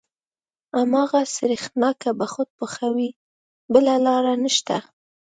هماغه سرېښناکه به خود پخوې بله لاره نشته.